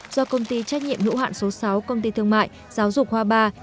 do công ty trách nhiệm hữu hạn số sáu công ty thương mại giáo dục hoa ba